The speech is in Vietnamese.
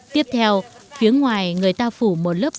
tiếp theo phía ngoài người ta phủ một lớp